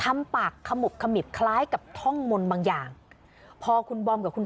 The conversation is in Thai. ไม่อยากให้แม่เป็นอะไรไปแล้วนอนร้องไห้แท่ทุกคืน